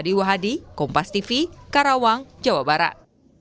di kompas tv karawang jawa barat